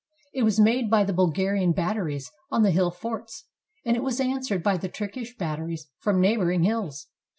It was made by the Bulgarian batteries on the hill forts, and it was answered by the Turkish batteries from neigh boring hills.